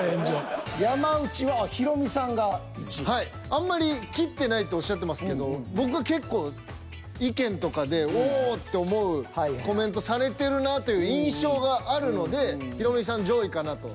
あんまり斬ってないっておっしゃってますけど僕は結構意見とかでおおって思うコメントされてるなっていう印象があるのでヒロミさん上位かなと。